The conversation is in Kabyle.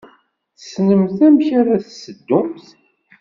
Tessnemt amek ara s-teddumt.